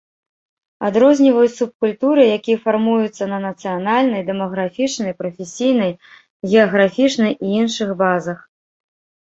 Адрозніваюць субкультуры, якія фармуюцца на нацыянальнай, дэмаграфічнай, прафесійнай, геаграфічнай і іншых базах.